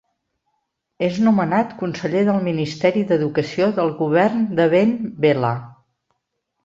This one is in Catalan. És nomenat conseller del Ministeri d'Educació del govern de Ben Bella.